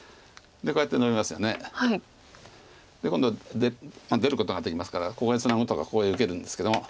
で今度出ることができますからここへツナぐとかここへ受けるんですけども。